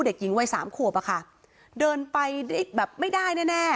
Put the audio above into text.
เด็กหญิงวัยสามขวบอะค่ะเดินไปแบบไม่ได้แน่แน่